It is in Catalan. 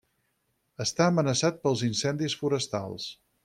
Està amenaçat pels incendis forestals.